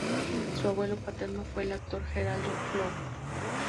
Su abuelo paterno fue el actor Gerald Flood.